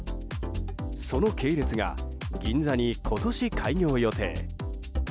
その系列が銀座に今年開業予定。